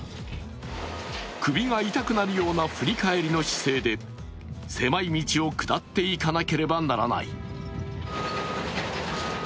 首が痛くなるような振り返りの姿勢で、狭い道を下っていかなければならない。